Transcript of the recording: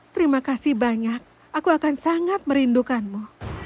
terima kasih banyak aku akan sangat merindukanmu